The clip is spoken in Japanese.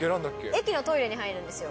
駅のトイレに入るんですよ。